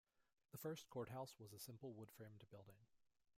The first courthouse was a simple wood-framed building.